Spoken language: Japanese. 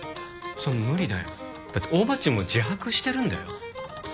そんな無理だよだって大庭っちも自白してるんだよ